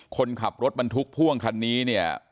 คนขับรถบรรทุกพ่วงคันนี้เนี่ย